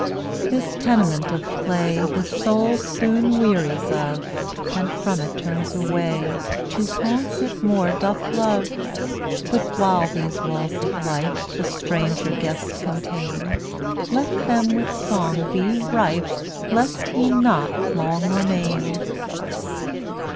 180 This tenement of clay The Soul soon wearies of And from it turns away To haunts it more doth love. But while these walls of life The stranger guest contain, Let them with song be rife Lest he not long remain.